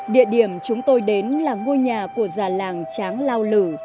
địa điểm chúng tôi đến là ngôi nhà của già làng tráng lao lử